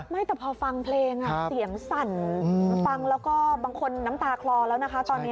ไม่แต่พอฟังเพลงเสียงสั่นฟังแล้วก็บางคนน้ำตาคลอแล้วนะคะตอนนี้